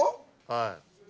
はい。